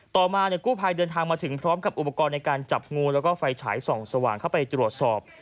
ต่อมากู้ภัยเดินทางมาถึงพร้อมกับอุปกรณ์ในการจับงูแล้วก็ไฟฉายส่องสว่างเข้าไปตรวจสอบ